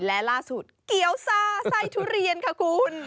และล่าสุดเกี๊ยวซ่าไส้ทุเรียนค่ะคุณ